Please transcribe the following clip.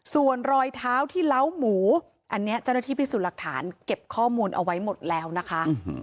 ส่วนรอยเท้าที่เล้าหมูอันนี้เจ้าหน้าที่พิสูจน์หลักฐานเก็บข้อมูลเอาไว้หมดแล้วนะคะ